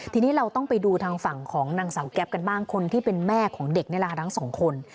ทีนี้เราต้องไปดูทางฝั่งของนังเสาแก๊บกันบ้างคนที่เป็นแม่ของเด็กในลักษณ์สองคน